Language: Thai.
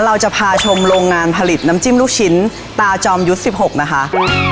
เราจะพาชมโรงงานผลิตน้ำจิ้มลูกชิ้นตาจอมยุทธ์๑๖นะคะ